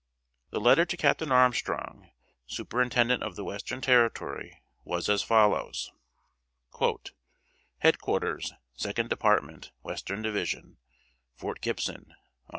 The letter to Captain Armstrong, Superintendent of the Western Territory, was as follows: "HEAD QUARTERS 2D DEPARTMENT, WESTERN DIVISION,} Fort Gibson, Aug.